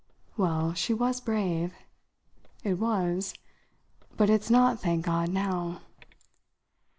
Well, she was brave. "It was. But it's not, thank God, now!"